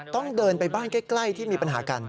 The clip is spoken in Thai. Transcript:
ต้องเดินไปบ้านใกล้ที่มีปัญหากัน